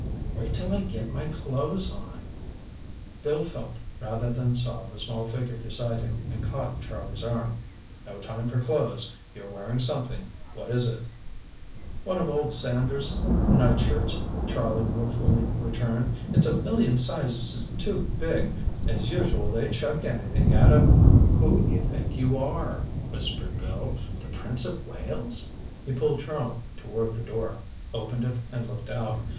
"Wait till I get my clothes on—" Bill felt rather than saw the small figure beside him and caught Charlie's arm. "No time for clothes. You're wearing something—what is it?" "One of old Sanders' nightshirts," Charlie ruefully returned. "It's a million sizes too big—as usual, they chuck anything at a—" "Who do you think you are—" whispered Bill, "the Prince of Wales?" He pulled Charlie toward the door, opened it and looked out.